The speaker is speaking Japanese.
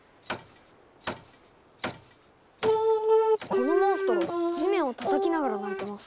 このモンストロ地面をたたきながら鳴いてます。